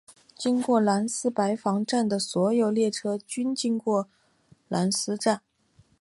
经过兰斯白房站的所有列车均经过兰斯站。